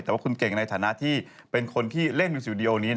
แต่ว่าคุณเก่งในฐานะที่เป็นคนที่เล่นมิวสิดีโอนี้